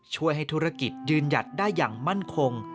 ช่วยให้ธุรกิจยืนหยัดได้อย่างมั่นคง